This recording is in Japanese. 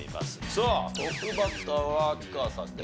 さあトップバッターは秋川さんでございます。